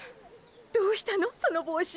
どうしたのそのボウシ！